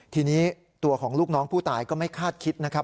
ทีนี้ตัวของลูกน้องผู้ตายก็ไม่คาดคิดนะครับ